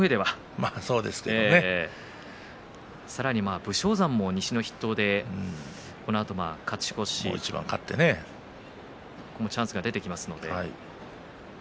武将山も西の筆頭でこのあとは勝ち越しチャンスが出てきますね。